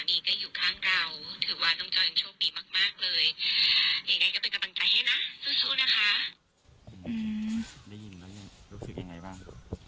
ได้ยินแล้วรู้สึกยังไงบ้าง